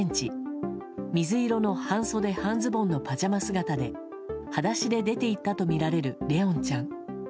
水色の半袖半ズボンのパジャマ姿で裸足で出ていったとみられる怜音ちゃん。